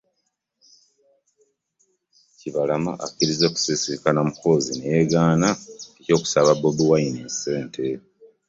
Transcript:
Kibalama akkirizza okusisinkana Muhoozi ne yeegaana eby'okusaba Bobi Wine Ssente